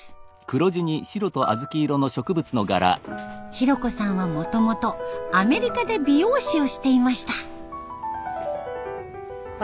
ヒロコさんはもともとアメリカで美容師をしていました。